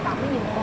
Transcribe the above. đặt này lâu không